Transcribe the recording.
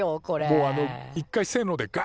もうあの一回「せの」でガ